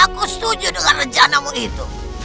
aku setuju dengan rencanamu itu